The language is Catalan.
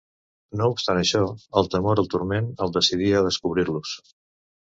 No obstant això, el temor al turment el decidí a descobrir-los.